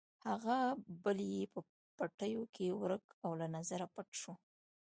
هغه بل یې په پټیو کې ورک او له نظره پټ شو.